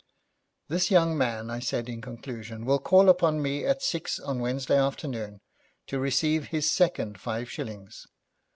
'This young man,' I said, in conclusion, 'will call upon me at six on Wednesday afternoon, to receive his second five shillings.